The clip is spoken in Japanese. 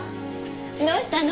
どうしたの？